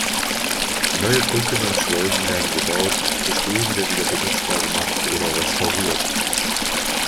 Neue Brücken und Schleusen werden gebaut, bestehende wieder benutzbar gemacht oder restauriert.